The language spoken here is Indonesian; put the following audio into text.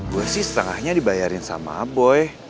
gue sih setengahnya dibayarin sama boy